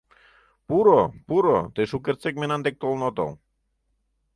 — Пуро, пуро, тый шукертсек мемнан дек толын отыл.